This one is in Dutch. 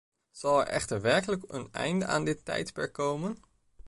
Zal er echter werkelijk een einde aan dit tijdperk komen?